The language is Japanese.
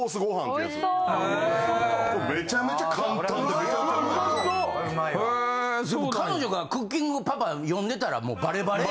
でも彼女が『クッキングパパ』読んでたらバレバレ。